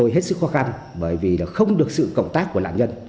hết sức khó khăn bởi vì không được sự cộng tác của nạn nhân